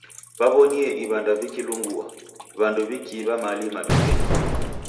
W'aw'onie iw'anda vikilungua, w'andu w'ikiiw'a mali madukenyi.